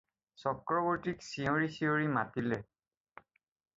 চক্ৰবৰ্তীক চিঞৰি চিঞৰি মাতিলে।